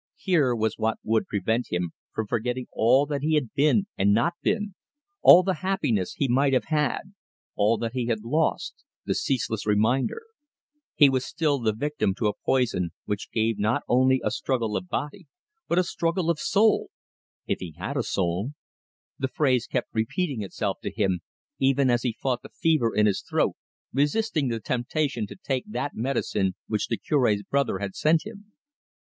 Here was what would prevent him from forgetting all that he had been and not been, all the happiness he might have had, all that he had lost the ceaseless reminder. He was still the victim to a poison which gave not only a struggle of body, but a struggle of soul if he had a soul. "If he had a soul!" The phrase kept repeating itself to him even as he fought the fever in his throat, resisting the temptation to take that medicine which the Curb's brother had sent him.